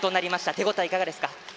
手応えいかがですか？